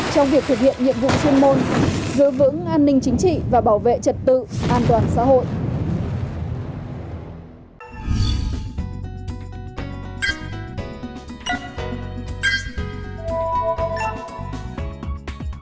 trong việc thực hiện nhiệm vụ chuyên môn giữ vững an ninh chính trị và bảo vệ trật tự an toàn xã hội